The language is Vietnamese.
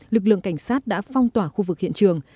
lực lượng cảnh sát đã phong tỏa khu vực hiện trường